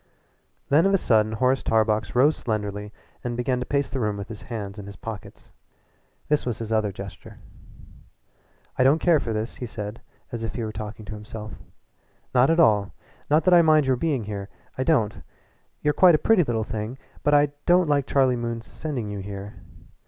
Then of a sudden Horace Tarbox rose slenderly and began to pace the room with his hands in his pockets. This was his other gesture. "I don't care for this," he said as if he were talking to himself "at all. Not that I mind your being here I don't. You're quite a pretty little thing, but I don't like Charlie Moon's sending you up here.